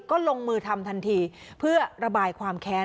ก็ลงมือทำทันทีเพื่อระบายความแค้น